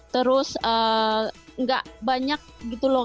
terus nggak banyak gitu loh